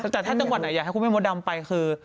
แต่ถ้าจังหวัดไหนอยากให้คุณแม่มดดำไปคือ